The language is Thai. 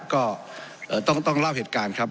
ก็ต้องเล่าเหตุการณ์ครับ